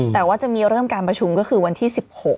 แต่ว่าจะมีเริ่มการประชุมก็คือวันที่๑๖